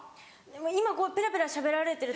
今ペラペラしゃべられてる。